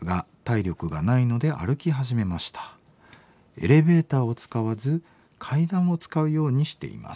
エレベーターを使わず階段を使うようにしています。